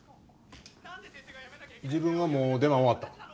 自分はもう出番終わったん？